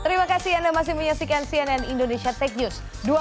terima kasih anda masih menyaksikan cnn indonesia tech news